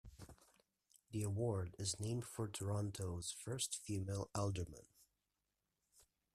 The award is named for Toronto's first female alderman.